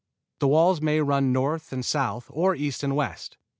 The walls may run north and south or east and west.